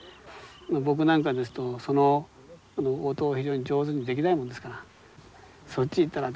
僕なんかですとその音を非常に上手にできないもんですから「そっち行ったら駄目だべ！」